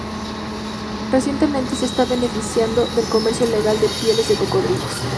Recientemente se están beneficiando del comercio legal de pieles de cocodrilos.